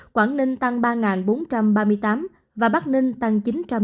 lạng sơn tăng ba bốn trăm ba mươi tám và bắc ninh tăng chín trăm chín mươi sáu